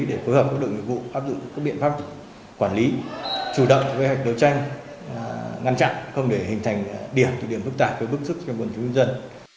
để phối hợp với đội người vụ áp dụng các biện pháp quản lý chủ động kế hoạch đấu tranh ngăn chặn không để hình thành điểm địa điểm phức tạp với bức xúc trong quân chủ nhân dân